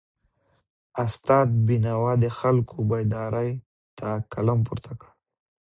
استاد بینوا د خلکو بیداری ته قلم پورته کړ.